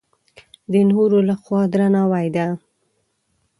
د نورو له خوا درناوی ده.